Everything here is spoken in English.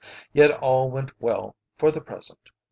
Yet all went well for the present.